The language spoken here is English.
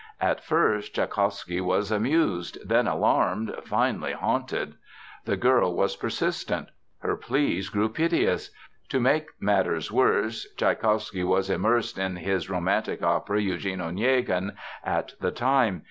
At first Tschaikowsky was amused, then alarmed, finally haunted. The girl was persistent. Her pleas grew piteous. To make matters worse, Tschaikowsky was immersed in his romantic opera Eugene Onegin at the time.